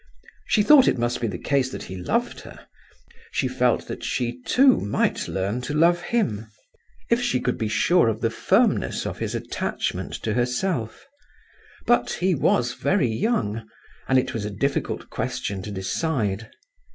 She thought it must be the case that he loved her; she felt that she too might learn to love him, if she could be sure of the firmness of his attachment to herself; but he was very young, and it was a difficult question to decide.